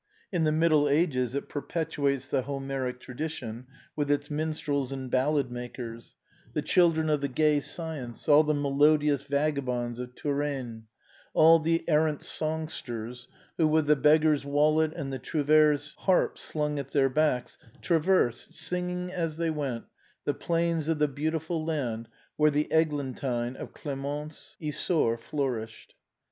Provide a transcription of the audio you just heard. In the Middle Ages it perpetuates the Homeric tradition with its minstrels and ballad makers, the children of the gay science, all the melodious vagabonds of Touraine, all the errant songsters who, with the beggar's wallet and the trouvère's harp slung at their backs, tra versed, singing as they went, the plains of the beautiful land where the eglantine of Clémence Isaure flourished.